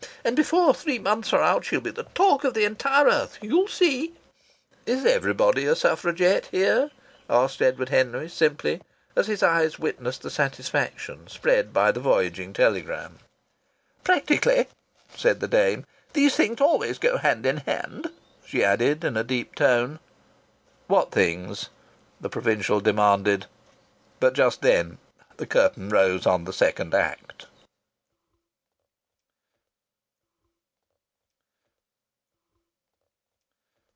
"And before three months are out she'll be the talk of the entire earth. You'll see!" "Is everybody a suffragette here?" asked Edward Henry, simply, as his eyes witnessed the satisfaction spread by the voyaging telegram.... "Practically," said the dame. "These things always go hand in hand," she added in a deep tone. "What things?" the provincial demanded. But just then the curtain rose on the second act.